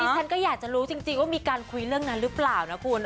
ฉันก็อยากจะรู้จริงว่ามีการคุยเรื่องนั้นหรือเปล่านะคุณ